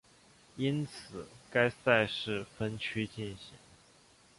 因此该赛事分区进行。